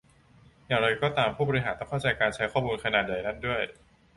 อย่างไรก็ตามผู้บริหาร ต้องเข้าใจการใช้ข้อมูลขนาดใหญ่นั้นด้วย